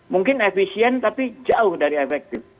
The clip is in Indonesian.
mungkin efisien tapi jauh dari efektif